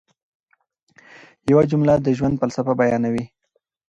یوه جمله د ژوند فلسفه بیانوي.